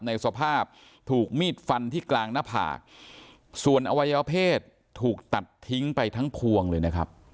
ในสภาพถูกมีดฟันที่กลางหน้าผากส่วนอวัยวเพศถูกตัดทิ้งไปทั้งพวงเลยนะครับ